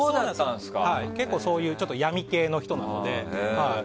結構そういう闇系の人なので。